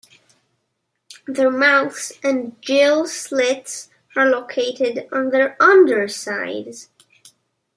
Their mouths and gill slits are located on their undersides.